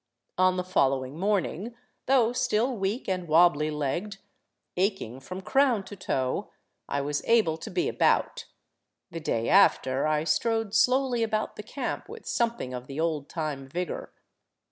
On the following morning, though still weak and wobbly legged, aching from crown to toe, I was able to be about, the day after, I strode slowly about the camp with something of the oldtime vigor.